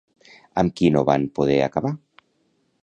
Amb qui no van poder acabar?